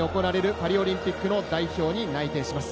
パリオリンピックの代表に内定します。